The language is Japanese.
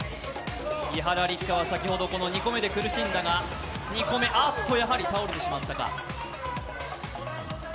伊原六花は先ほど２個目で苦しんだが、あっと、やはり倒れてしまったか。